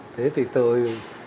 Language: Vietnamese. thế thì tôi